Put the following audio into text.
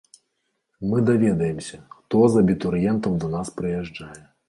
Мы даведаемся, хто з абітурыентаў да нас прыязджае.